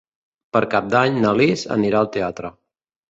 Per Cap d'Any na Lis anirà al teatre.